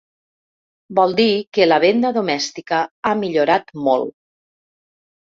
Vol dir que la venda domèstica ha millorat molt.